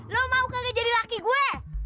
lo mau kaget jadi laki gua